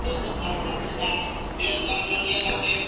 Los pueblos fueron abandonados, junto con minas, campos e industrias.